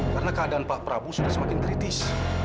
karena keadaan pak prabu sudah semakin kritis